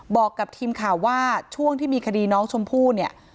บอกกับทีมข่าวว่าช่วงที่มีคดีน้องชมพู่เนี่ย